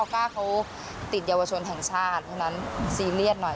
อัวกากติดเยาวชนแห่งชาติที่นั้นซีเรียสหน่อย